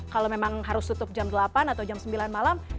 kalau memang harus tutup jam delapan atau jam sembilan malam